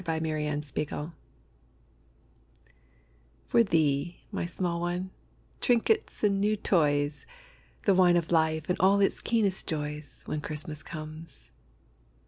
WHEN CHRISTMAS COMES For thee, my small one trinkets and new toys, The wine of life and all its keenest joys, When Christmas comes.